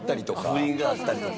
不倫があったりとか。